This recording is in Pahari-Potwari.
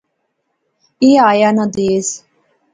ایہھاں آیا ناں دیس